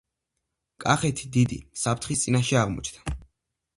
კახეთი დიდი საფრთხის წინაშე აღმოჩნდა.